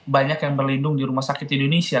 banyak yang berlindung di rumah sakit indonesia